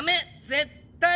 絶対。